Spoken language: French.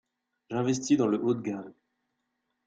J'investi dans le haut de gamme.